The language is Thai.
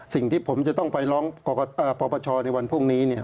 สิ่งที่ผมจะต้องไปร้องปปชในวันพรุ่งนี้